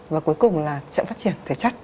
và cuối cùng là chậm phát triển thể chất